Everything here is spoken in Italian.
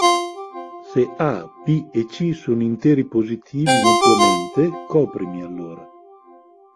Se "a","b" e "c" sono interi positivi mutuamente coprimi, allora